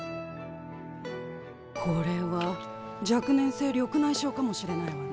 これは若年性緑内障かもしれないわね。